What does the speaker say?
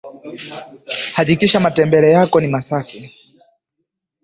hakikisha Matembele yako mi masafi